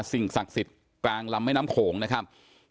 สิ่งศักดิ์สิทธิ์กลางลำแม่น้ำโขงนะครับ